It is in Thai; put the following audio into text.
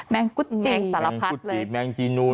แม่งกุ๊ดจีแม่งกุ๊ดจีแม่งจีนูน